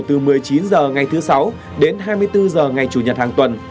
từ một mươi chín h ngày thứ sáu đến hai mươi bốn h ngày chủ nhật hàng tuần